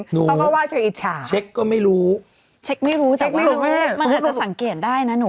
เพราะว่าเธออิจฉาเช็คก็ไม่รู้เช็คไม่รู้มันอาจจะสังเกตได้นะหนู